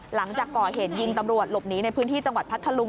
หลังจากก่อเหตุยิงตำรวจหลบหนีในพื้นที่จังหวัดพัทธลุง